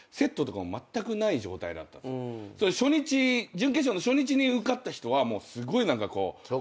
準決勝の初日に受かった人はすごい何かこう。